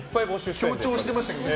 強調してましたけどね。